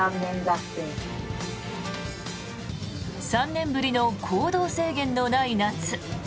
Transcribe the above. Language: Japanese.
３年ぶりの行動制限のない夏。